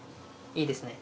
いいですね。